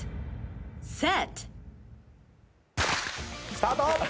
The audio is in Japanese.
スタート！